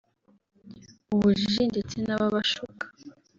ubujiji ndetse n’ababashuka